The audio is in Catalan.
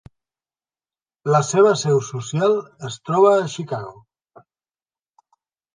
La seva seu social es troba a Chicago.